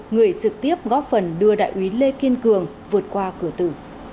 người trực tiếp góp phần đưa đại úy lê kiên cường vượt qua cửa tử